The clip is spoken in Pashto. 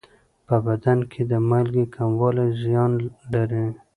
په بدن کې د مالګې کموالی زیان لري.